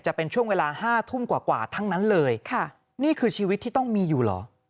จะเป็นช่วงเวลาห้าทุ่มกว่ากว่าทั้งนั้นเลยค่ะนี่คือชีวิตที่ต้องมีอยู่เหรอ